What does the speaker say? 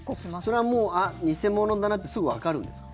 それはもう、偽物だなってすぐわかるんですか？